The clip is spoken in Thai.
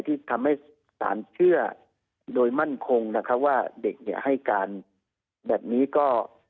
ที่ทำให้สารเชื่อโดยมั่นคงนะครับว่าเด็กเนี่ยให้การแบบนี้ก็